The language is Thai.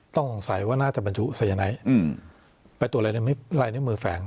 ต้องคงใส่ว่าน่าจะมันอยู่ทรียะไหนไปตรวจลายนิ้วมือแฝง